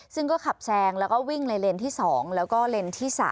ซึ่งก็ขับแซงแล้วก็วิ่งในเลนส์ที่๒แล้วก็เลนส์ที่๓